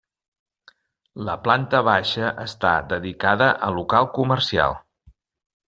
La planta baixa està dedicada a local comercial.